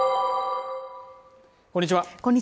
こんにちは。